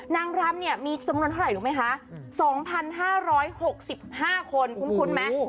นางรำเนี่ยมีจำนวนเท่าไหร่รู้ไหมคะ๒๕๖๕คนคุ้นไหม